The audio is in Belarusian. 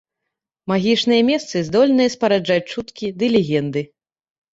Магічныя месцы здольныя спараджаць чуткі ды легенды.